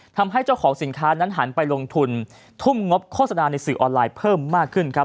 ทำให้เจ้าของสินค้านั้นหันไปลงทุนทุ่มงบโฆษณาในสื่อออนไลน์เพิ่มมากขึ้นครับ